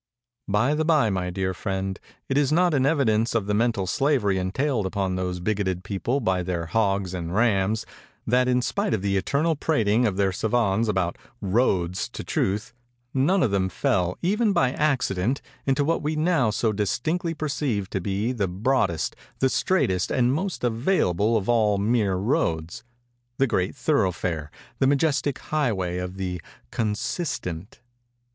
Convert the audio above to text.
"By the bye, my dear friend, is it not an evidence of the mental slavery entailed upon those bigoted people by their Hogs and Rams, that in spite of the eternal prating of their savans about roads to Truth, none of them fell, even by accident, into what we now so distinctly perceive to be the broadest, the straightest and most available of all mere roads—the great thoroughfare—the majestic highway of the Consistent?